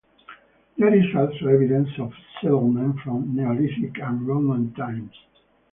There is also evidence of settlement from Neolithic and Roman times.